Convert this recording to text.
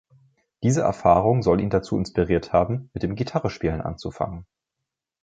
Diese Erfahrung soll ihn dazu inspiriert haben, mit dem Gitarrespielen anzufangen.